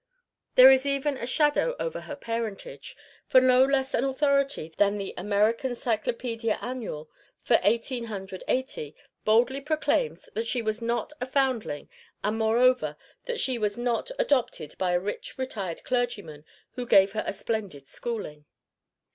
There is even a shadow over her parentage, for no less an authority than the "American Cyclopedia Annual," for Eighteen Hundred Eighty, boldly proclaims that she was not a foundling and, moreover, that she was not adopted by a rich retired clergyman who gave her a splendid schooling.